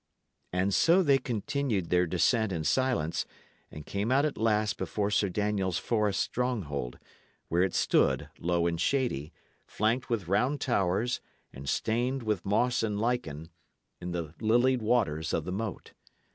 And so they continued their descent in silence, and came out at last before Sir Daniel's forest stronghold, where it stood, low and shady, flanked with round towers and stained with moss and lichen, in the lilied waters of the moat.